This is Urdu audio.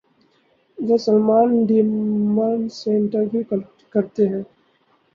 وہ سلمان ڈیمرل سے انٹرویو کرتے ہیں۔